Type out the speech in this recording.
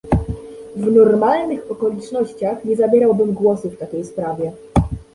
W normalnych okolicznościach nie zabierałbym głosu w takiej sprawie